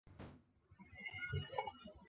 瑙鲁的历史和磷酸盐的采集有关。